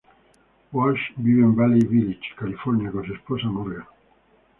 Walsh vive en Valley Village, California, con su esposa Morgan.